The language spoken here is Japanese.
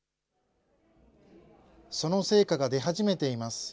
その成果が出始めています。